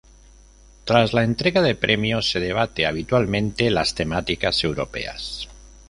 Tras la entrega de premios se debate habitualmente las temáticas europeas.